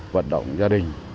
vận động gia đình